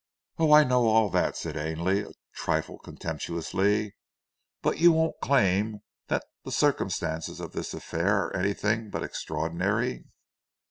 "Oh I know all that," said Ainley, a trifle contemptuously. "But you won't claim that the circumstances of this affair are anything but extraordinary."